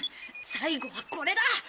最後はこれだ！